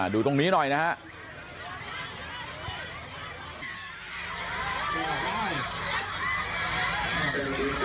ดูตรงนี้หน่อยนะฮะ